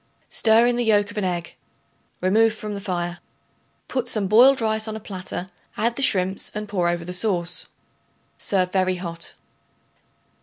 Stir in the yolk of an egg. Remove from the fire. Put some boiled rice on a platter; add the shrimps and pour over the sauce. Serve very hot.